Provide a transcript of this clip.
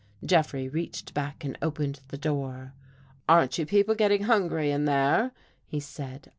Jeffrey reached back and opened the door. "Aren't you people getting hungry in there?" he said.